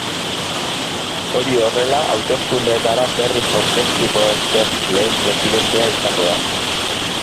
Hori horrela, hauteskundeetara berriz aurkeztuko ez den lehen presidentea izango da.